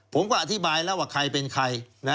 ผมก็อธิบายแล้วว่าใครเป็นใคร